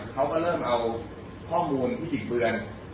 เขาก็เริ่มเอาข้อมูลที่บิดเบือน